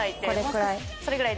これぐらい？